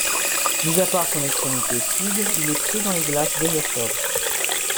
Mise à part son extrémité sud, il est pris dans les glaces dès octobre.